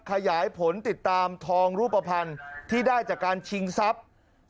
ขยายผลติดตามทองรูปภัณฑ์ที่ได้จากการชิงทรัพย์